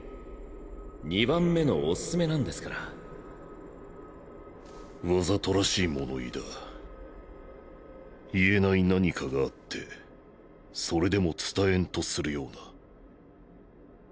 “２ 番目”のオススメなんですからわざとらしい物言いだ言えない何かがあってそれでも伝えんとするような